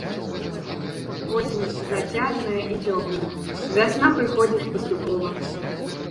Восень зацяжная і цёплая, вясна прыходзіць паступова.